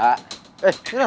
hapanya kalian berdua